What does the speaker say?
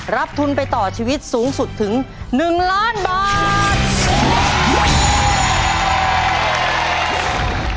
รับทุนไปต่อชีวิตสูงสุดถึง๑ล้านบาท